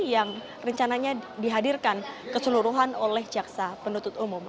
yang rencananya dihadirkan keseluruhan oleh jaksa penuntut umum